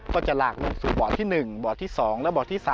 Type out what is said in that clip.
ก็จะหลากลงสู่บ่อที่๑บ่อที่๒และบ่อที่๓